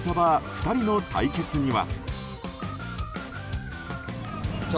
２人の対決には。